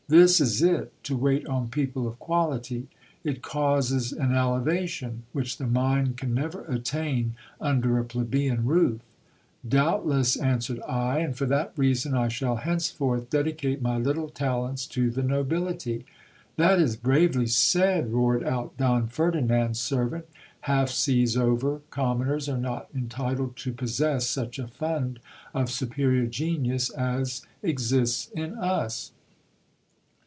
This it is to wait on people of quality. It causes, an eleva tion, which the mind can never attain under a plebeian roof.' Doubtless, answered I — and for that reason I shall henceforth dedicate my little talents to the nobility." That is bravely said, roared out Don Ferdinand's servant, half seas over, com moners are not entitled to possess such a fund of superior genius as exists in us.